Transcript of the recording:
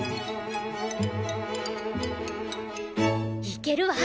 いけるわ！